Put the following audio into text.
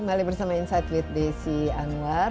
kembali bersama insight with desi anwar